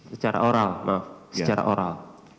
secara oral maaf secara oral